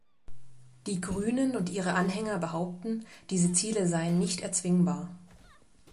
Die Grünen und ihre Anhänger behaupten, diese Ziele seien nicht erzwingbar.